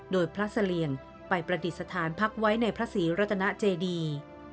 โดยพระเสลี่ยงไปประดิษฐานพักไว้ในพระศรีรัตนาเจดี